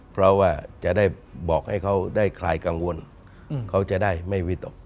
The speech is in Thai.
เพราะว่าจะได้บอกให้เขาได้คลายกังวลเขาจะได้ไม่วิตก